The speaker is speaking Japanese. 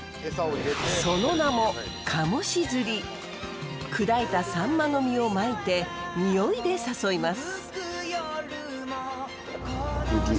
その名も砕いたサンマの身をまいてにおいで誘います。